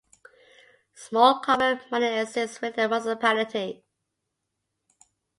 Small carbon mining exists within the municipality.